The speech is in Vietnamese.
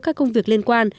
các công việc liên quan